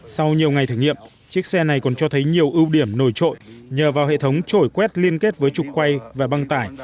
sau nhiều ngày thử nghiệm chiếc xe này còn cho thấy nhiều ưu điểm nổi trội nhờ vào hệ thống trổi quét liên kết với trục quay và băng tải